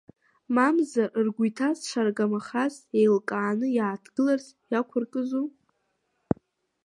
Мамзар, ргәы иҭаз шаргамахаз еилкааны, иааҭгыларц иақәыркызу?